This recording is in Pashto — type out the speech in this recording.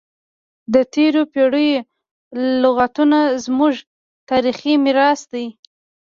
د تیرو پیړیو لغتونه زموږ تاریخي میراث دی.